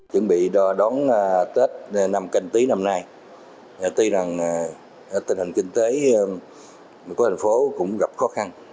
chúng tôi chuẩn bị đón tết năm canh tí năm nay tuy rằng tình hình kinh tế của thành phố cũng gặp khó khăn